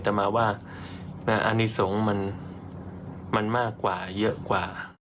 แต่มาว่าอนิสงฆ์มันมากกว่าเยอะกว่า